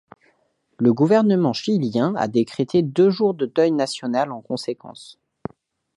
Le gouvernement chilien a décrété deux jours de deuil national en conséquence.